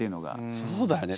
そうだよね。